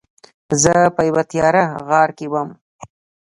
زه په یوه تیاره غار کې وم.